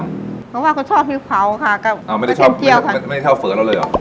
เพราะว่าเขาชอบพริกเผาค่ะก็อ้อไม่ได้ชอบไม่ได้ชอบเฝอเราเลยเหรอ